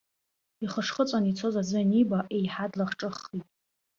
Ихышхыҵәан ицоз аӡы аниба, еиҳа длахҿыххеит.